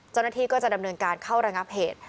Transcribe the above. เจ้าหน้าที่ก็จะดำเนินการเข้าระงับเหตุ